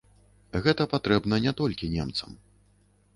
Гэта патрэбна не толькі немцам.